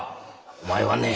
お前はね